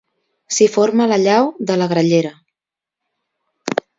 S'hi forma la llau de la Grallera.